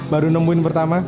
baru nemuin pertama